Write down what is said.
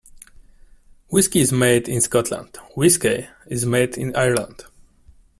Whisky is made in Scotland; whiskey is made in Ireland.